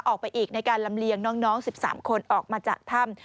ออกไปอีกในการลำเลียงน้อง๑๓คนออกมาจากถ้ำ